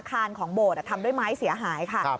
คานของโบสถทำด้วยไม้เสียหายค่ะ